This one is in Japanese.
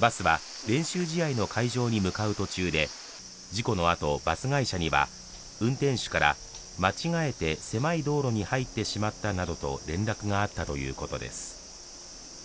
バスは練習試合の会場に向かう途中で事故のあと、バス会社には運転手から間違えて狭い道路に入ってしまったなどと連絡があったということです。